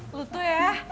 lu tuh ya